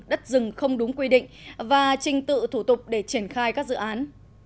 đất rừng không đúng quy định và trình tự thủ tục để triển khai các dự án